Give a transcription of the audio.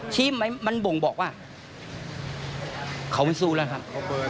ชี้ไหมมันบ่งบอกว่าเขาไม่สู้แล้วครับ